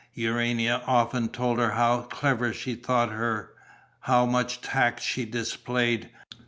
Urania often told her how clever she thought her, how much tact she displayed.